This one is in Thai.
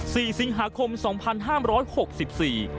สี่สิงหาคมสองพันห้ามร้อยหกสิบสี่